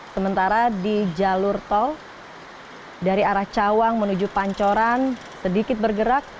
sementara di jalur tol dari arah cawang menuju pancoran sedikit bergerak